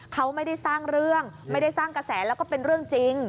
เขาไม่ได้สร้างเรื่องไม่ได้สร้างกระแสแล้วก็เป็นเรื่องจริง